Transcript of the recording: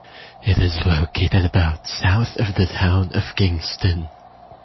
It is located about south of the town of Kingston.